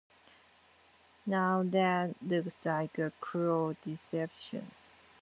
Now that looks like a cruel deception.